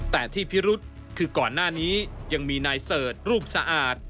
แต่ที่พิรุษคือก่อนหน้านี้ยังมีนายเสิร์ชรูปสะอาด